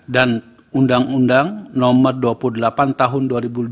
dan undang undang nomor dua puluh delapan tahun dua ribu dua puluh dua